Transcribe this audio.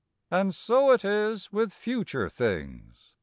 And so it is with future things.